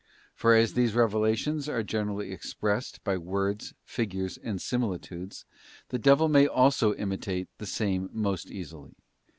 For as these revelations are generally expressed by words, figures, and similitudes, the devil may also imitate the same most easily.